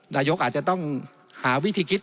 นายกอาจจะต้องหาวิธีคิด